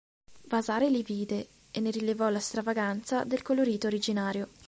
Vasari li vide e ne rilevò la stravaganza del colorito originario.